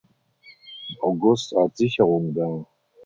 August als Sicherung da.